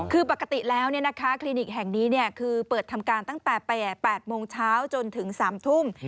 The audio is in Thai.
คือปกติแล้วคลินิกแห่งนี้คือเปิดทำการตั้งแต่๘โมงเช้าจนถึง๓ทุ่ม